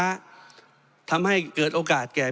เพราะฉะนั้นโทษเหล่านี้มีทั้งสิ่งที่ผิดกฎหมายใหญ่นะครับ